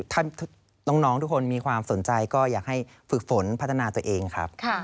ถ้าน้องทุกคนมีความสนใจก็อยากให้ฝึกฝนพัฒนาตัวเองครับ